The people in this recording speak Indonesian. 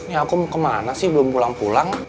ini aku mau kemana sih belum pulang pulang